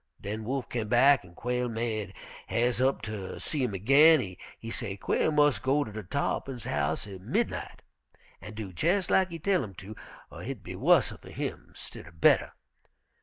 Den Wolf came back an' Quail made has'e up ter see him ag'in. He say Quail mus' go ter Tarr'pin's house at midnight an' do jes' lak he tell 'im to, er hit be wusser fer him, stidder better.